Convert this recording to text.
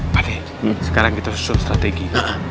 pak lih sekarang kita suruh strategi